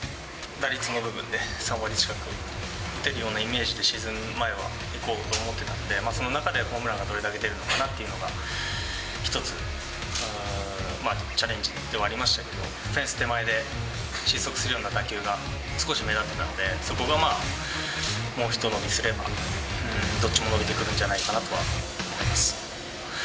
打率の部分で、３割近く打てるようなイメージで、シーズン前はいこうと思ってたんで、その中でホームランがどれだけ出るのかな？っていうのが、一つ、チャレンジではありましたけど、フェンス手前で失速するような打球が、少し目立ってたんで、そこがまあ、もうひと伸びすれば、どっちも伸びてくるんじゃないかなとは思います。